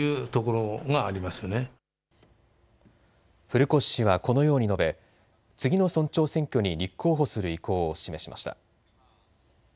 古越氏はこのように述べ次の村長選挙に立候補する意向を示しました。